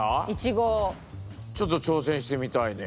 ちょっと挑戦してみたいね。